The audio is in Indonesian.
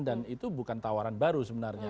dan itu bukan tawaran baru sebenarnya